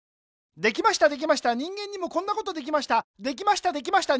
できましたできました人間にもこんなことできました。